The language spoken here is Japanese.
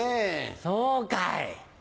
そうかい。